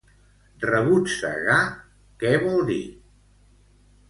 Rebotzegar, què vol dir?